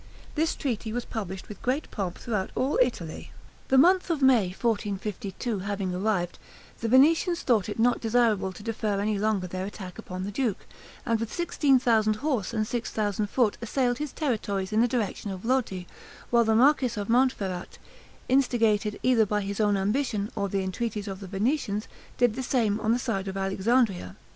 This treaty was published with great pomp throughout all Italy. The month of May, 1452, having arrived, the Venetians thought it not desirable to defer any longer their attack upon the duke, and with sixteen thousand horse and six thousand foot assailed his territories in the direction of Lodi, while the marquis of Montferrat, instigated either by his own ambition or the entreaties of the Venetians, did the same on the side of Alexandria.